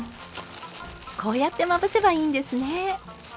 こうやってまぶせばいいんですね。